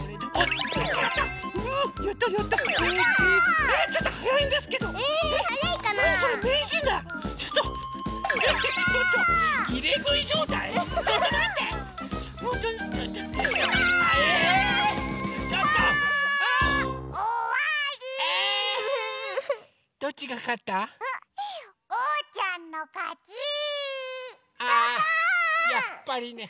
あぁやっぱりね。